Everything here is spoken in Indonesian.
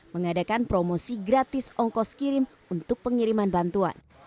mengadakan promosi gratis ongkos kirim untuk pengiriman bantuan